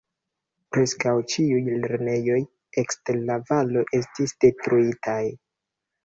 Preskaŭ ĉiuj lernejoj ekster la valo estis detruitaj.